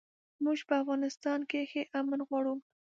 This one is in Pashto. موږ په افغانستان کښې امن غواړو